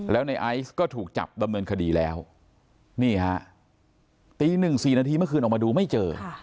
แล้วในไอซ์ก็ถูกจับดำเนินคดีแล้วนี่ฮะตีหนึ่งสี่นาทีเมื่อคืนออกมาดูไม่เจอ